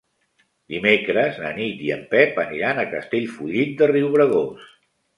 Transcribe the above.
Dimecres na Nit i en Pep aniran a Castellfollit de Riubregós.